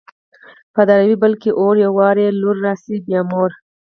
په دراوۍ يې بل کي اور _ يو وار يې لور راسي بيا مور